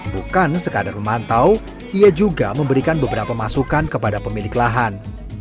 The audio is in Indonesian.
bukan sekadar memantau ia juga memberikan beberapa masukan kepada pemilik lahan